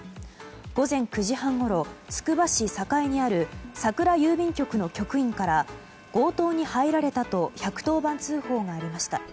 午前９時半ごろつくば市栄にある桜郵便局の局員から強盗に入られたと１１０番通報がありました。